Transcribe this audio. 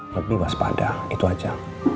lebih waspada itu aja